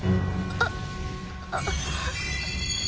あっ。